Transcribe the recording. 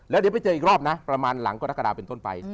แล้วเดี๋ยวไปเจออีกรอบนะประมาณหลังกรกฎาเป็นต้นไป